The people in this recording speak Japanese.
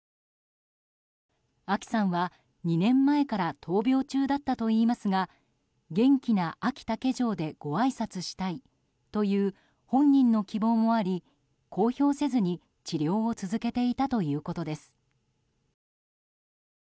あきさんは、２年前から闘病中だったといいますが元気なあき竹城でごあいさつしたいという本人の希望もあり公表せずに治療を続けていたということです。